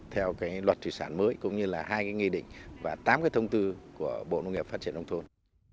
theo luật thủy sản mới cũng như là hai nghị định và tám thông tư của bộ nông nghiệp phát triển đông thôn